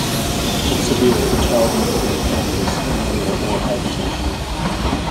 If severe the child may develop jaundice, anemia or hypotension.